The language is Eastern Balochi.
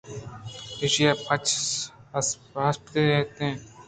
ایشیءِ پچ اسپیت اِت اَنت